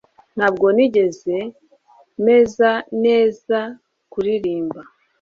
Ntabwo nigeze meze neza kuririmba